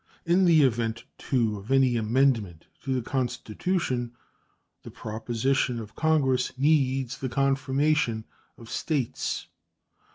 In the event, too, of any amendment to the Constitution, the proposition of Congress needs the confirmation of States.